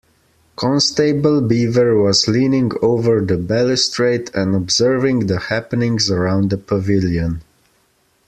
Constable Beaver was leaning over the balustrade and observing the happenings around the pavilion.